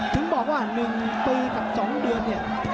ถึงบอกว่า๑ปีกับ๒เดือนเนี่ย